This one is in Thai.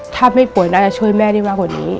ถ้าไม่ป่วยน่าจะช่วยแม่ได้มากกว่านี้